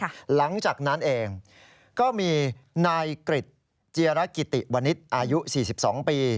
หลังจากนั้นเองก็มีนายกริจเจียรกิติวนิษฐ์อายุ๔๒ปี